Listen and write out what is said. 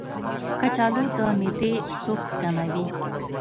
کچالو د معدې سوخت کموي.